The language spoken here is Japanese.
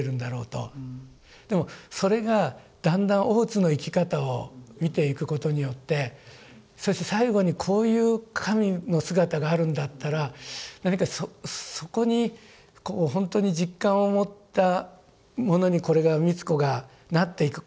でもそれがだんだん大津の生き方を見ていくことによってそして最後にこういう神の姿があるんだったらそこに本当に実感を持ったものにこれが美津子がなっていく。